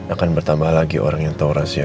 akan bertambah lagi orang yang tahu rahasia saya